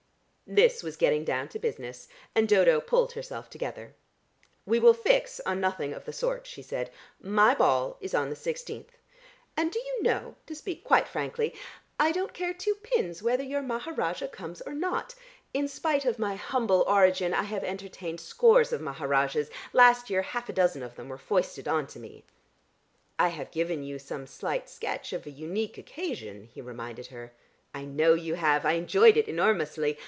This was getting down to business, and Dodo pulled herself together. "We will fix on nothing of the sort," she said. "My ball is on the sixteenth. And, do you know, to speak quite frankly, I don't care two pins whether your Maharajah comes or not. In spite of my humble origin I have entertained scores of Maharajahs. Last year half a dozen of them were foisted on to me." "I have given you some slight sketch of a unique occasion," he reminded her. "I know you have. I enjoyed it enormously.